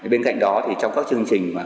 bên cạnh đó trong các chương trình